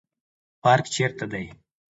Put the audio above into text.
پارک چیرته دی؟